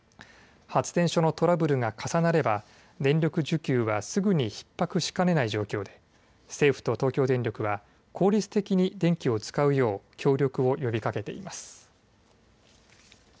発電所のトラブルが重なれば電力需給はすぐにひっ迫しかねない状況で政府と東京電力は効率的に電気を使うよう協力を呼びかけています。